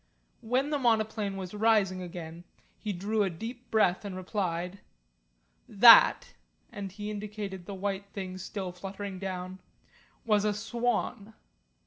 When the monoplane was rising again he drew a deep breath and replied, "That," and he indicated the white thing still fluttering down, "was a swan."